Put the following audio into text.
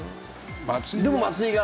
でも松井が？